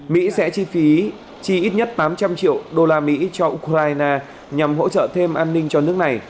mỹ sẽ chi phí chi ít nhất tám trăm linh triệu đô la mỹ cho ukraine nhằm hỗ trợ thêm an ninh cho nước này